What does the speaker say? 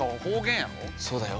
そうだよ。